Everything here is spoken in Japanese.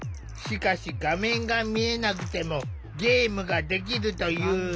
しかし画面が見えなくてもゲームができるという。